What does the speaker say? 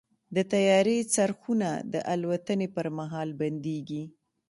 د طیارې څرخونه د الوتنې پر مهال بندېږي.